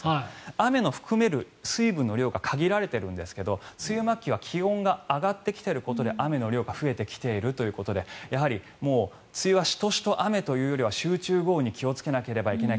雨の含める水分の量は限られているんですが梅雨末期は気温が上がってきていることで雨の量が増えてきているということでやはりもう梅雨はシトシト雨というよりは集中豪雨に気をつけなければいけない